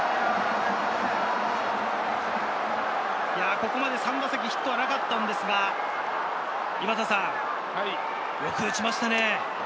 ここまで３打席ヒットはなかったのですが、よく打ちましたね。